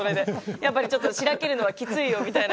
やっぱりしらけるのはきついよみたいな感じ。